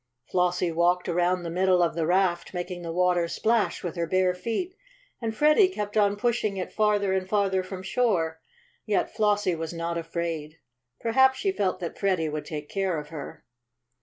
Flossie walked around the middle of the raft, making the water splash with her bare feet, and Freddie kept on pushing it farther and farther from shore. Yet Flossie was not afraid. Perhaps she felt that Freddie would take care of her.